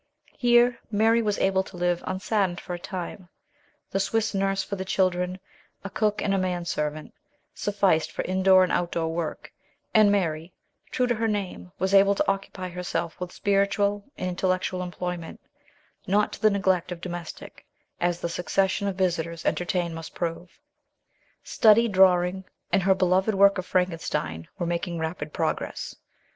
Here Mary was able to live unsaddened for a time ; the Swiss nurse for the children, a cook and man servant, sufficed for in door and out door work, and Mary, true to her name, was able to occupy herself with spiritual and intel lectual employment, not to the neglect of domestic, as the succession of visitors entertained must prove; study, drawing, and her beloved work of Frankenstein were making rapid progress.